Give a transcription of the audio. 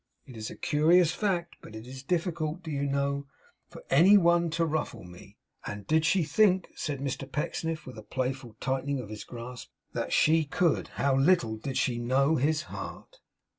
It is a curious fact, but it is difficult, do you know, for any one to ruffle me. And did she think,' said Mr Pecksniff, with a playful tightening of his grasp 'that SHE could! How little did she know his heart!